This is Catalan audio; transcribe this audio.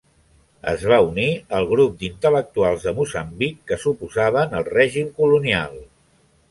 Es va unir al grup d'intel·lectuals de Moçambic que s'oposaven al règim colonial.